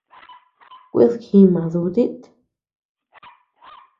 Kuid jíma dutit.